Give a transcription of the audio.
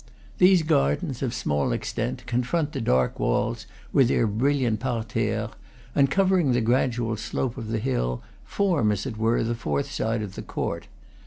These gardens, of small extent, confront the dark walls with their brilliant parterres, and, covering the gradual slope of the hill, form, as it were, the fourth side of the court.